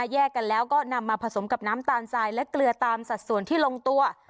แยกกันแล้วก็นำมาผสมกับน้ำตาลทรายและเกลือตามสัดส่วนที่ลงตัว